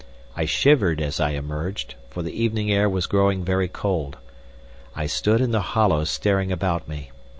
I shivered as I emerged, for the evening air was growing very cold. I stood in the hollow staring about me.